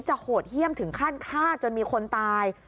โหดเยี่ยมถึงขั้นฆ่าจนมีคนตาย